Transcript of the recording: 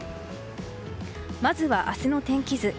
まずは明日の天気図。